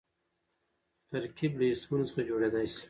ترکیب له اسمونو څخه جوړېدای سي.